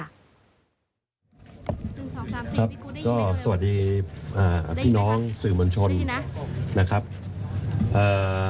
สองครั้งครับก็สวัสดีอ่าพี่น้องสื่อมวลชนนะครับเอ่อ